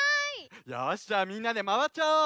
よしじゃあみんなでまわっちゃおう！